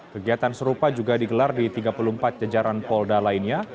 kegiatan serupa juga digelar di tiga puluh empat jajaran polda lainnya